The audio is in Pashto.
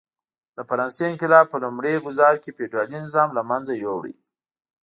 د فرانسې انقلاب په لومړي ګوزار کې فیوډالي نظام له منځه یووړ.